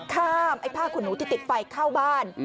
ไอ้ผ้าขนหนูที่ติดไฟเข้าบ้าน